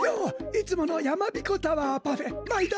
いつものやまびこタワーパフェまいど！